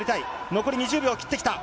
残り２０秒を切ってきた。